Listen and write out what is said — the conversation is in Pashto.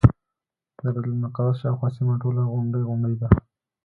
د بیت المقدس شاوخوا سیمه ټوله غونډۍ غونډۍ ده.